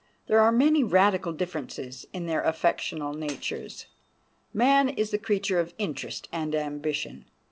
There are many radical differences in their affectional natures. Man is the creature of interest and ambition.